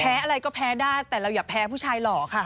อะไรก็แพ้ได้แต่เราอย่าแพ้ผู้ชายหล่อค่ะ